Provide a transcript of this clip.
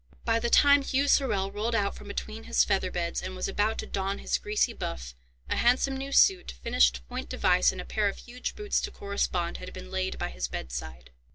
By the time Hugh Sorel rolled out from between his feather beds, and was about to don his greasy buff, a handsome new suit, finished point device, and a pair of huge boots to correspond, had been laid by his bedside.